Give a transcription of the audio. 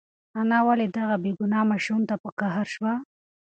انا ولې دغه بېګناه ماشوم ته په قهر شوه؟